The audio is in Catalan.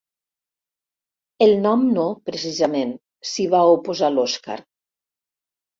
El nom no, precisament —s'hi va oposar l'Oskar—.